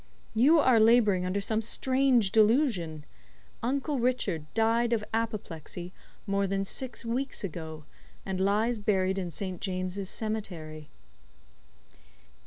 You are labouring under some strange delusion. Uncle Richard died of apoplexy more than six weeks ago, and lies buried in St. James's Cemetery." II.